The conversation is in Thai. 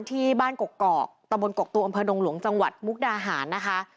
ที่บ้านกกอกตะบนกกตูมอำเภอดงหลวงจังหวัดมุกดาหารนะคะ